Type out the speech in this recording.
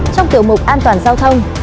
trong tiểu mục an toàn giao thông